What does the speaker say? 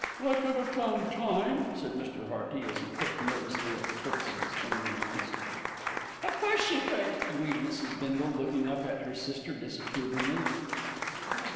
"I could have found time," said Mr. Hearty, as he picked nervously at the quicks of his finger nails. "Of course you could," agreed Mrs. Bindle, looking up at her sister disapprovingly.